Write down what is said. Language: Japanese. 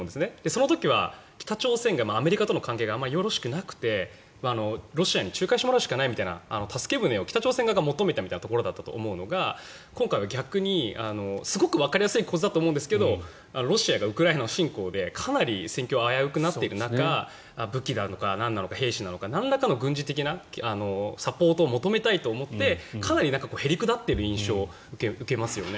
その時は北朝鮮がアメリカとの関係があまりよろしくなくてロシアに仲介してもらうしかないみたいな助け舟を北朝鮮側が求めたみたいなところだったのが今回は逆にすごくわかりやすい構図だと思うんですがロシアがウクライナ侵攻でかなり戦況が危うくなっている中武器なのかなんなのか兵士なのかなんらかの軍事的なサポートを求めたいと思ってかなりへりくだっている印象を受けますよね。